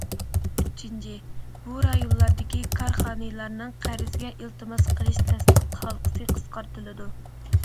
ئۈچىنچى، بۇ رايونلاردىكى كارخانىلارنىڭ قەرزگە ئىلتىماس قىلىش تەستىق ھالقىسى قىسقارتىلىدۇ.